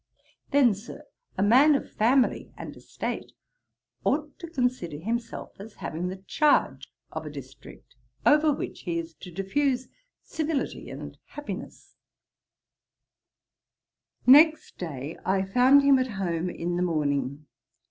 Then, Sir, a man of family and estate ought to consider himself as having the charge of a district, over which he is to diffuse civility and happiness.' Next day I found him at home in the morning.